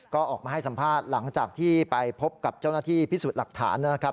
ก็ออกมาให้สัมภาษณ์หลังจากที่ไปพบกับเจ้าหน้าที่พิสูจน์หลักฐานนะครับ